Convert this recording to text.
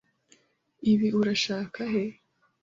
Ibi urashaka he?